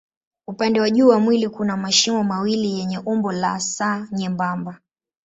Upande wa juu wa mwili kuna mashimo mawili yenye umbo la S nyembamba.